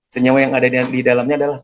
senyawa yang ada di dalamnya adalah